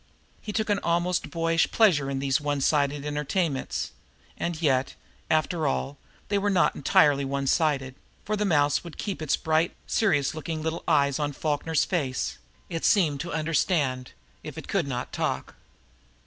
He took an almost boyish pleasure in these one sided entertainments and yet, after all, they were not entirely one sided, for the mouse would keep its bright, serious looking little eyes on Falkner's face; it seemed to understand, if it could not talk.